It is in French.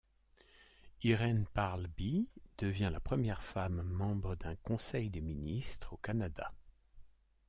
Irene Parlby devient la première femme membre d'un conseil des ministres au Canada.